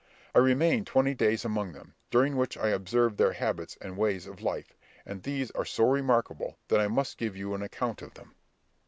I remained twenty days among them, during which I observed their habits and ways of life; and these are so remarkable that I must give you an account of them.